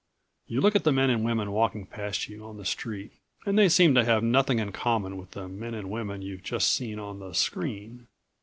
You look at the men and women walking past you on the street and they seem to have nothing in common with the men and women you've just seen on the screen.